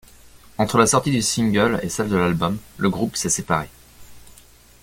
Entre la sortie du single et celle de l'album, le groupe s'est séparé.